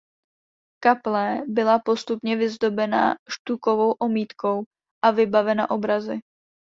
Kaple byla postupně vyzdobena štukovou omítkou a vybavena obrazy.